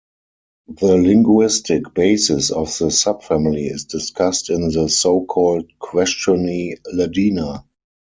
The linguistic basis of the subfamily is discussed in the so-called Questione Ladina.